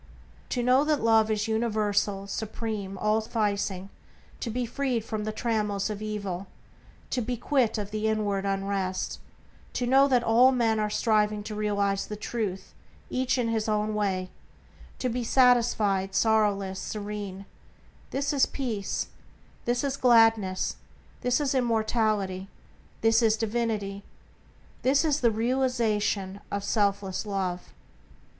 To know that Love is universal, supreme, all sufficing; to be freed from the trammels of evil; to be quit of the inward unrest; to know that all men are striving to realize the Truth each in his own way; to be satisfied, sorrowless, serene; this is peace; this is gladness; this is immortality; this is Divinity; this is the realization of selfless Love.